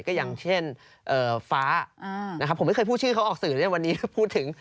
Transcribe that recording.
ก็อย่างเช่นฟ้านะครับผมไม่เคยพูดชื่อเขาออกสื่อเลยวันนี้พูดถึง